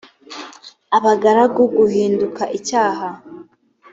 abagaragu gihinduka icyaha